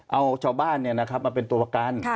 เอาชาวบ้านมาเป็นตัวประกัน